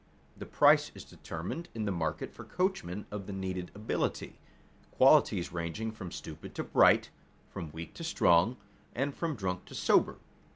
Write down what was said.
The price is determined in the market for coachmen of the needed ability, qualities ranging from stupid to bright, from weak to strong, and from drunk to sober.